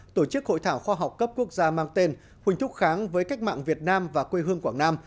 tổ chức hội thảo khoa học cấp quốc gia mang tên huỳnh thúc kháng với cách mạng việt nam và quê hương quảng nam